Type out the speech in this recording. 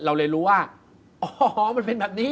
เราเลยรู้ว่าอ๋อมันเป็นแบบนี้